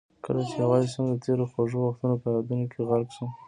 کله چې یوازې شم د تېرو خوږو وختونه په یادونو کې غرق شم.